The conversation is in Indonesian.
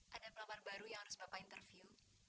ada pelamar baru yang harus bapak interview